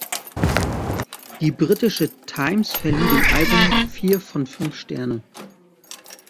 Die britische "Times" verlieh dem Album vier (von fünf) Sterne.